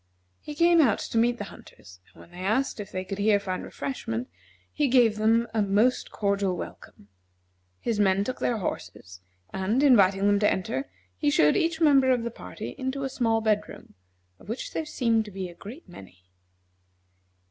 He came out to meet the hunters, and when they asked if they could here find refreshment, he gave them a most cordial welcome. His men took their horses, and, inviting them to enter, he showed each member of the party into a small bedroom, of which there seemed to be a great many.